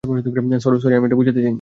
Sorry, আমি এটা বোঝাতে চাইনি।